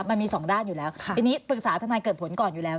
มันมีสองด้านอยู่แล้วทีนี้ปรึกษาทนายเกิดผลก่อนอยู่แล้ว